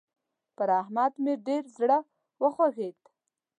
پر احمد مې ډېر زړه وخوږېد.